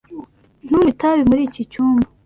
Ntunywe itabi muri iki cyumba.